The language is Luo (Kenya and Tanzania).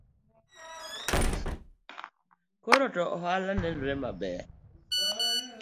Koro to ohala nenore maber